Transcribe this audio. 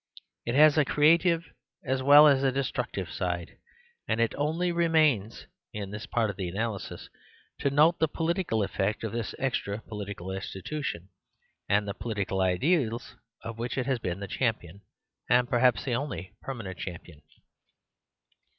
It has a creative as well as a destructive side; and it only remains, in this part of the analysis, to note the politi cal effect of this extra political institution, and the political ideals of which it has been the The Story of the Family 71 champion; and perhaps the only permanent champion.